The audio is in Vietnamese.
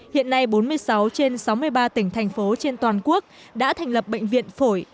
hiện nay bốn mươi sáu trên sáu mươi ba tỉnh thành phố trên toàn quốc đã thành lập bệnh viện phổi